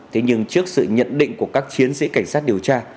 thế nhưng trước sự nhận định của các chiến sĩ cảnh sát điều tra